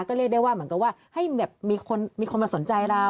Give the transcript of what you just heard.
ก็เรียกได้ว่าเหมือนกับว่าให้แบบมีคนมาสนใจเรา